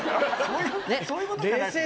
そういうことじゃない。